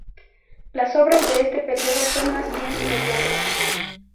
Las obras de este periodo son más bien mediocres.